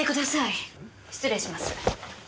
失礼します。